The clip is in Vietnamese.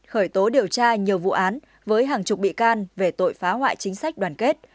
khởi tố điều tra nhiều vụ án với hàng chục bị can về tội phá hoại chính sách đoàn kết